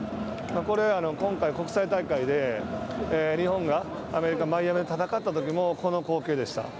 これ、今回、国際大会で、日本がアメリカとマイアミで戦ったときもこの光景でした。